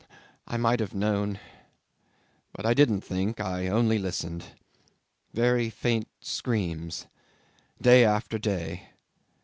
I might have known but I didn't think I only listened. Very faint screams day after day.